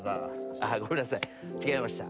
あっごめんなさい違いました。